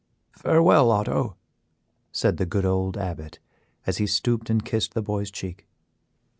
"Farewell, Otto," said the good old Abbot, as he stooped and kissed the boy's cheek.